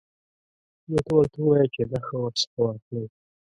نو ته ورته ووایه چې نخښه ورڅخه واخلئ.